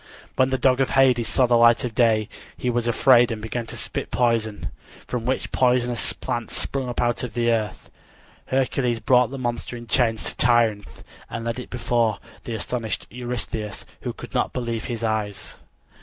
When the dog of Hades saw the light of day he was afraid and began to spit poison, from which poisonous plants sprung up out of the earth. Hercules brought the monster in chains to Tirynth, and led it before the astonished Eurystheus, who could not believe his eyes.